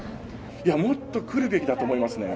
もっと来るべきだと思いますね。